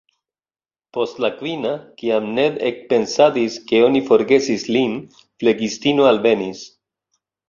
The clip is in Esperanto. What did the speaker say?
Post la kvina, kiam Ned ekpensadis ke oni forgesis lin, flegistino alvenis.